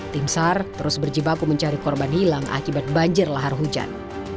tim sar terus berjibaku mencari korban hilang akibat banjir lahar hujan